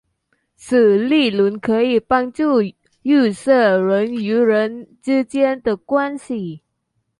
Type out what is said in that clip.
此理论可以帮助预测人与人之间的关系。